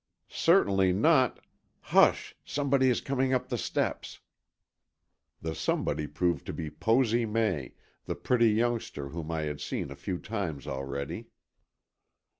"Certainly not—hush, somebody is coming up the steps." The somebody proved to be Posy May, the pretty youngster whom I had seen a few times already.